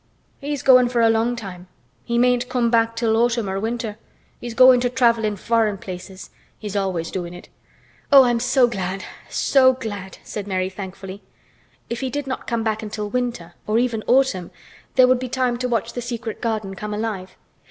"He's goin' for a long time. He mayn't come back till autumn or winter. He's goin' to travel in foreign places. He's always doin' it." "Oh! I'm so glad—so glad!" said Mary thankfully. If he did not come back until winter, or even autumn, there would be time to watch the secret garden come alive.